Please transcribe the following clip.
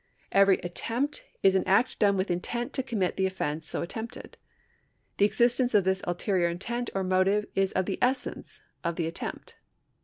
Every attempt is an act done with intent to commit the offence so attempted. The existence of this ulterior in tent or motive is of the essence of the attempt.